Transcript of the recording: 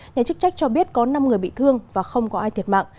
nhà chức trách cho biết có năm người bị thương và không có ai thiệt mạng